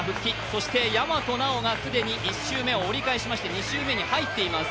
そして大和奈央が既に１周目を折り返しまして、２周目に入っています。